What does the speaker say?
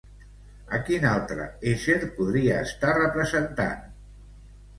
A quin altre ésser podria estar representant?